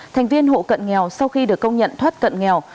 thành viên hộ cận nghèo sau khi được công nhận thoát cận nghèo